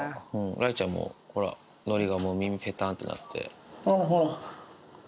雷ちゃんもほら、のりがもう耳、ぺたーんってなって。